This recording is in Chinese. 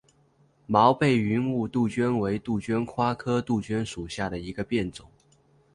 毛背云雾杜鹃为杜鹃花科杜鹃属下的一个变种。